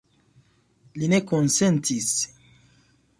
Li ne konsentis.